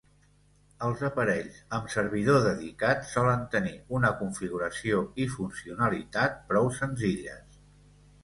Els aparells amb servidor dedicat solen tenir una configuració i funcionalitat prou senzilles.